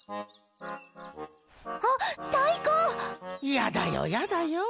やだよやだよぉ。